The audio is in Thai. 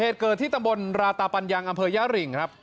เหตุเกิดที่ตำบลราตาปัญญังอำเภอย่าริงครับ